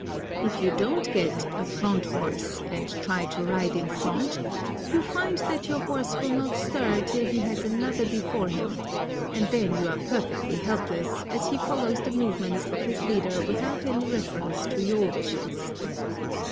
If you don't get a "front horse" and try to ride in front, you find that your horse will not stir till he has another before him; and then you are perfectly helpless, as he follows the movements of his leader without any reference to your wishes.